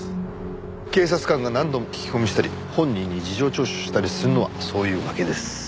警察官が何度も聞き込みしたり本人に事情聴取したりするのはそういうわけです。